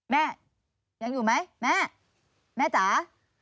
แม่ยังอยู่ไหมแม่แม่จ๋า